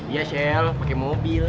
iya sel pake mobil